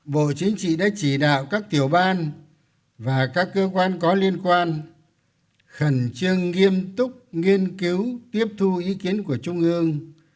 bộ chính trị đã chỉ đạo các tiểu ban và các cơ quan có liên quan khẩn trương nghiêm túc nghiên cứu tiếp thu ý kiến của trung ương